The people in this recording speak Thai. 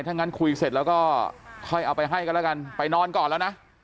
ถ้างั้นคุยเสร็จแล้วก็ค่อยเอาไปให้กันแล้วกันไปนอนก่อนแล้วนะ